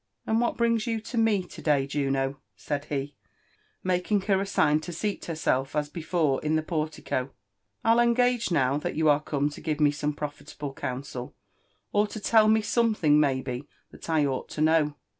"And what brings you to me to day, Juno ?" said he, making her a sign to seat herself as before in the portico. " I'll engage now, that you are come to give me some profitable counsel, — ^or to tell me some thing, maybe, that I ought to know."